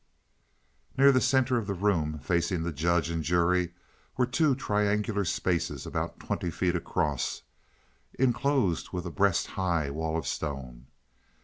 Near the center of the room, facing the judge and jury were two triangular spaces about twenty feet across, enclosed with a breast high wall of stone.